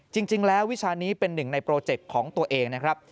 จริงแล้ววิชานี้เป็นหนึ่งในโปรเจคของตัวเองนะครับ